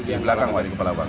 di belakang wak di kepala wak